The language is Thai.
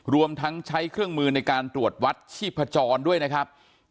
รวมทั้งใช้เครื่องมือในการตรวจวัดชีพจรด้วยนะครับ